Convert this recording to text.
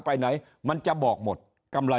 ถ้าท่านผู้ชมติดตามข่าวสาร